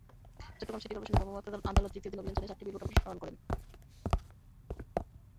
Chittagong city করপোরেশনের ভ্রাম্যমাণ আদালত দ্বিতীয় দিন অভিযান চালিয়ে চারটি বিলবোর্ড অপসারণ করেছে।